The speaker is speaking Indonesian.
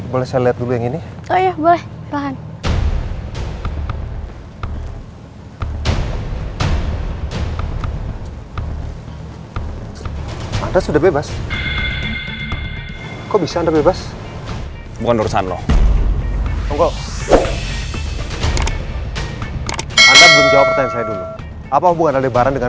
boleh saya lihat dulu yang ini